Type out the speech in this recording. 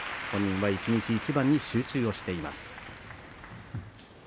本人は一日一番に集中しています。